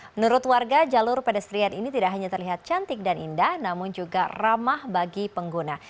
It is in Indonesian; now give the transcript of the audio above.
menurut warga jalur pedestrian ini tidak hanya terlihat cantik dan indah namun juga ramah bagi pengguna